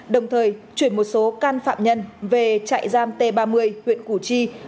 đồng thời chuyển một số can phạm nhân về trại giam t ba mươi huyện củ chi